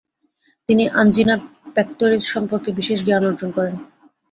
তিনি আঞ্জিনা পেক্তরিস সম্পর্কে বিশেষ জ্ঞান অর্জন করেন ।